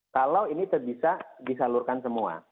kalau ini bisa disalurkan semua